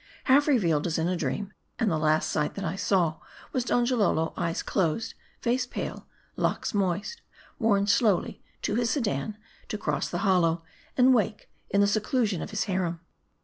Half revealed, as in a dream, and the last sight that I saw, was Donjalolo : eyes closed, face pale, locks moist, borne slowly to his sedan, to cross the hollow, and wake in the seclusion of his harem.